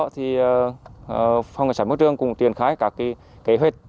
phòng cảnh sát môi trường công an tỉnh quảng trị cũng triển khai các kế hoạch